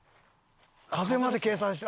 風まで計算して。